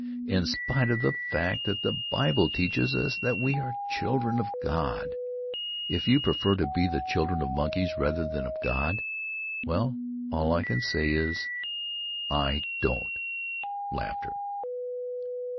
In spite of the fact that the Bible teaches us that we are the children of God. If you prefer to be the children of monkeys rather than of God, well, all I can say is, I don't! [Laughter.